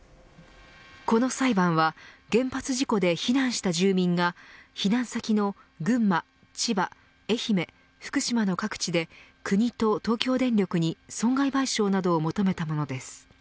この裁判は原発事故で避難した住民が避難先の群馬、千葉愛媛、福島の各地で国と東京電力に損害賠償などを求めたものです。